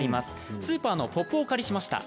スーパーのポップをお借りしました。